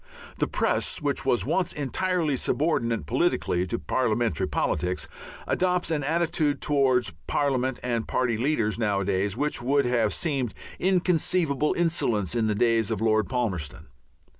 The press, which was once entirely subordinate politically to parliamentary politics, adopts an attitude towards parliament and party leaders nowadays which would have seemed inconceivable insolence in the days of Lord Palmerston.